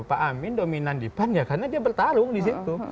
pak amin dominan di pan ya karena dia bertarung di situ